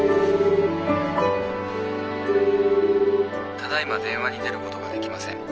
「ただいま電話に出ることができません。